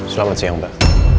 selamat siang mbak